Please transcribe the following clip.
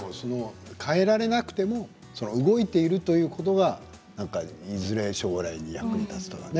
変えられなくても動いているということがいずれ将来に役に立つというね。